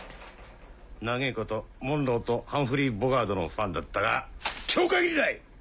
長ぇことモンローとハンフリー・ボガードのファンだったが今日限りだ‼